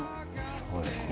そうですね。